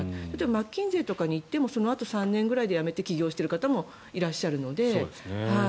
マッキンゼーとかに行っても３年ぐらいで辞めて起業している方もいらっしゃるので。